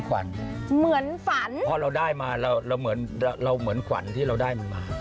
วันหน้ารักจังเลย